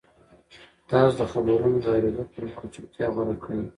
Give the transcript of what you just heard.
تاسو د خبرونو د اورېدو پر مهال چوپتیا غوره کړئ.